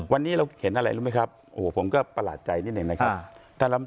วันนี้เราเห็นอะไรรู้ไหมครับโอ้โหผมก็ประหลาดใจนิดหนึ่งนะครับ